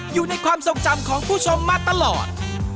อยู่ในความทรงจำของผู้ชมมาตลอด